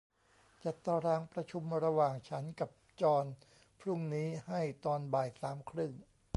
จัดตารางประชุมระหว่างฉันกับจอห์นพรุ่งนี้ให้ตอนบ่ายสามครึ่ง